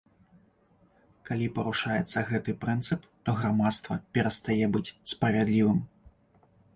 Калі парушаецца гэты прынцып, то грамадства перастае быць справядлівым.